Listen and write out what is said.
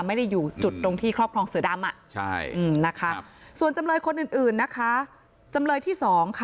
ไม่ได้อยู่จุดตรงที่ครอบครองเสือดำส่วนจำเลยคนอื่นนะคะจำเลยที่๒ค่ะ